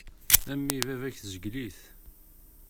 A mmi baba-k tezgel-it.